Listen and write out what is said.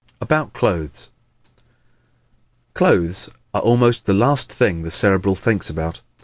About Clothes ¶ Clothes are almost the last thing the Cerebral thinks about.